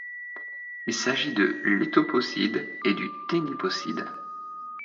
Il s'agit de l'étoposide et du téniposide.